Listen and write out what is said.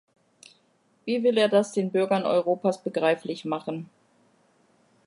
Wie will er das den Bürgern Europas begreiflich machen.